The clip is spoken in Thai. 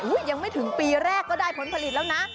ยังไม่ถึงปีแรกก็ได้ผลผลิตแล้วนะ